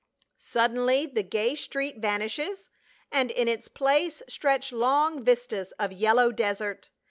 Suddenly the gay street vanishes, and in its place stretch long vistas of yellow desert.